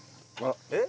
えっ？